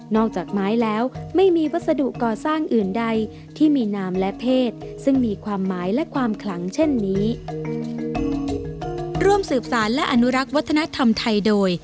นอกจากไม้แล้วไม่มีวัสดุก่อสร้างอื่นใดที่มีนามและเพศซึ่งมีความหมายและความคลังเช่นนี้